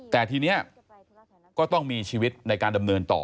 แต่ทีนี้ก็ต้องมีชีวิตในการดำเนินต่อ